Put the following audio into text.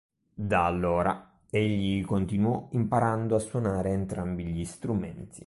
Da allora, egli continuò imparando a suonare entrambi gli strumenti.